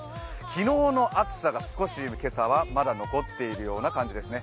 昨日の暑さが少し今朝はまだ残っているような感じですね。